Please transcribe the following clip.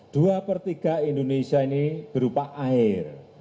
dua per tiga indonesia ini berupa air